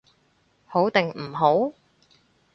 好定唔好？